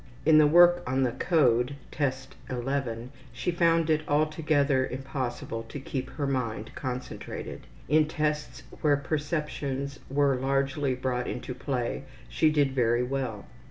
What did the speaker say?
In the work on the Code, Test XI, she found it altogether impossible to keep her mind concentrated. In tests where perceptions were largely brought into play she did very well.